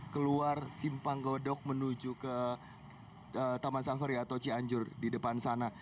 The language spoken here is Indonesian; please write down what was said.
keluar simpang godok menuju ke taman safari atau cianjur di depan sana